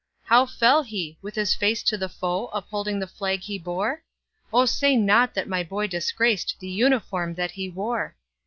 "How fell he,—with his face to the foe, Upholding the flag he bore? Oh, say not that my boy disgracedThe uniform that he wore!"